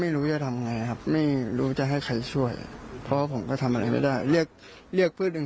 ไม่อยากให้แม่เป็นอะไรไปแล้วนอนร้องไห้แท่ทุกคืน